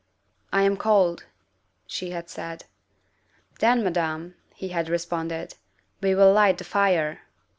" I am cold," she had said. " Then, Madame," he had responded, " we will light the fire."